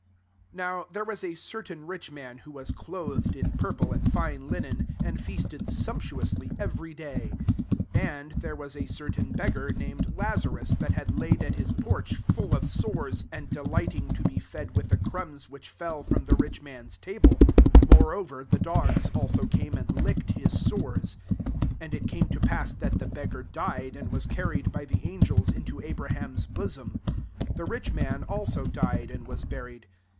19 " Now there was a certain rich man who was clothed in purple and fine linen, and feast ed sumptuously every day : 20 and there was a certain beggar, named Lazarus, that had laid at his porch, full of sores ; 21 and delighting • to be fed with the crumbs which fell from the rich man's table: moreover, the dogs also came and licked his sores. 22 '*And it came to pass, that the beggar died, and was car ried by the angels into Abra ham's bosomf. The rich man also died and was buried.